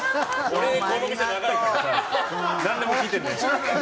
俺、この店長いからさ何でも聞いてね。